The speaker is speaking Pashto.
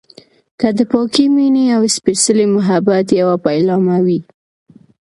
که د پاکې مينې او سپیڅلي محبت يوه پيلامه وي.